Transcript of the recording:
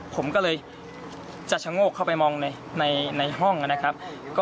ผมก็เลยจะชะโงกเข้าไปมองในห้องนะครับ